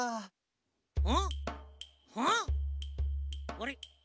あれ？